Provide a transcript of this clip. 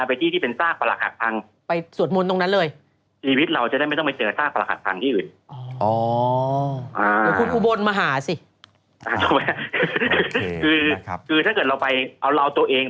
ไปที่ที่เป็นซากหลักหัดพัง